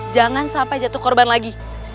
jangan sampai jatuh korban lagi